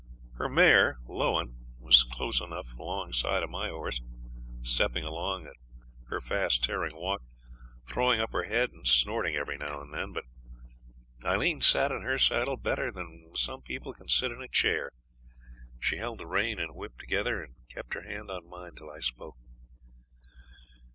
Her mare, Lowan, was close alongside of my horse, stepping along at her fast tearing walk, throwing up her head and snorting every now and then, but Aileen sat in her saddle better than some people can sit in a chair; she held the rein and whip together and kept her hand on mine till I spoke.